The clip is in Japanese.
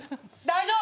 大丈夫？